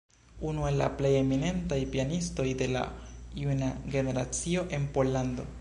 Unu el la plej eminentaj pianistoj de la juna generacio en Pollando.